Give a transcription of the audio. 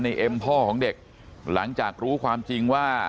เอ็มพ่อของเด็กหลังจากรู้ความจริงว่า